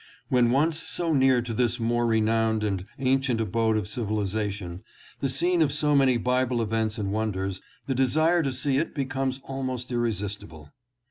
When once so near to this more renowned and ancient abode of civilization, the scene of so many Bible events and wonders, the desire to see it becomes almost irresistible.